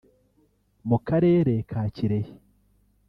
mu karere ka Kirehe